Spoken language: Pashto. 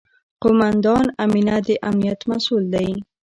قوماندان امنیه د امنیت مسوول دی